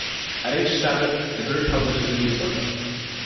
At each Sabbat the group publishes a newsletter.